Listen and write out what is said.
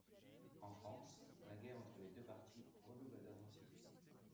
En France, la guerre entre les deux partis redouble d’intensité.